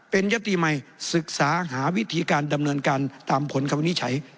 เป็นยติใหม่ศึกษาหาวิธีการดำเนินการตามผลคำวินิจฉัย